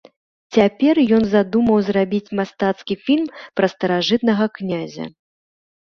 Цяпер ён задумаў зрабіць мастацкі фільм пра старажытнага князя.